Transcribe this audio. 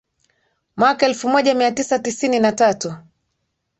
mwaka elfu moja mia tisa tisini na tatu